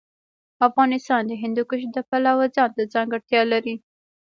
افغانستان د هندوکش د پلوه ځانته ځانګړتیا لري.